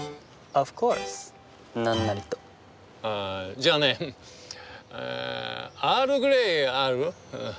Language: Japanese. じゃあねアールグレイある？